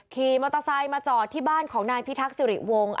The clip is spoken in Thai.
ขี่มอเตอร์ไซค์มาจอดที่บ้านของนายพิทักษิริวงศ์